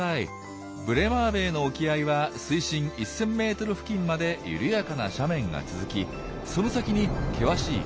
ブレマーベイの沖合は水深１，０００ｍ付近まで緩やかな斜面が続きその先に険しい